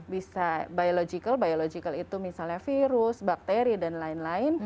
bisa biological biological itu misalnya virus bakteri dan lain lain